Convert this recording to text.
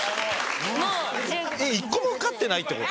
１個も受かってないってこと？